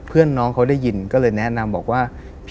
เพื่อนน้องเขาได้ยินก็เลยแนะนำบอกว่า